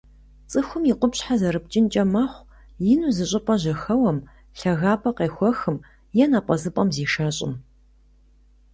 Цӏыхум и къупщхьэ зэрыпкӏынкӏэ мэхъу ину зыщӏыпӏэ жьэхэуэм, лъагапӏэ къехуэхым е напӏэзыпӏэм зишэщӏым.